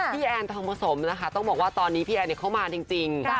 แอนทองผสมนะคะต้องบอกว่าตอนนี้พี่แอนเข้ามาจริง